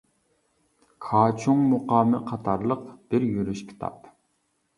«كاچۇڭ مۇقامى» قاتارلىق بىر يۈرۈش كىتاب.